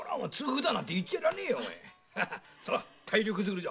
さあ体力づくりだ！